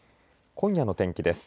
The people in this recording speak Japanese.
今夜の天気です。